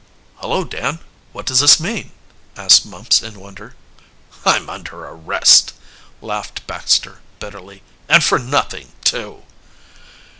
"Hullo, Dan, what does this mean?" asked Mumps in wonder. "I'm under arrest," laughed Baxter bitterly. "And for nothing, too."